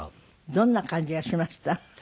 どんな感じがしました？